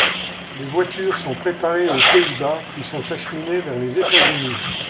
Les voitures sont préparées aux Pays-Bas, puis sont acheminées vers les États-Unis.